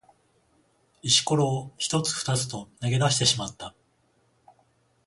石ころを一つ二つと投げ出してしまった。